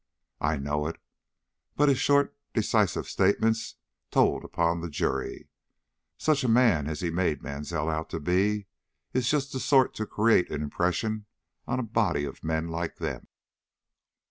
"I know it; but his short, decisive statements told upon the jury. Such a man as he made Mansell out to be is just the sort to create an impression on a body of men like them."